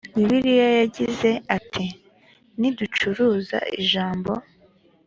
bibiliya yagize ati ntiducuruza ijambo.